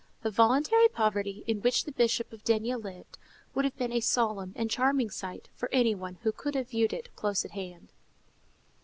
The voluntary poverty in which the Bishop of D—— lived, would have been a solemn and charming sight for any one who could have viewed it close at hand.